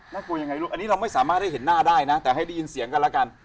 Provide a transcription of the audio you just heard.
กลัวยังไงลูกอันนี้เราไม่สามารถได้เห็นหน้าได้นะแต่ให้ได้ยินเสียงกันแล้วกัน